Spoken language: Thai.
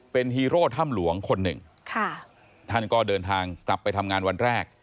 เป็นฮีโร่ถ้ำหลวงคนหนึ่งค่ะท่านก็เดินทางกลับไปทำงานวันแรก